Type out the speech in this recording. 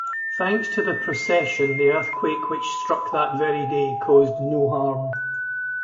Thanks to the procession, the earthquake which struck that very day caused no harm.